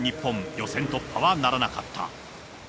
予選突破はならなかった。